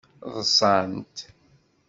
Ḍṣant.